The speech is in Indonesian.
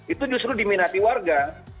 itu justru diminati warga